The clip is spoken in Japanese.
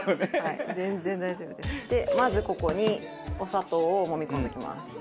でまずここにお砂糖をもみ込んでいきます。